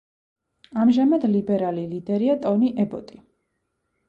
ამჟამად ლიბერალი ლიდერია ტონი ებოტი.